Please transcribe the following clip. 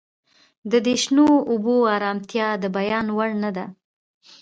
د دې شنو اوبو ارامتیا د بیان وړ نه ده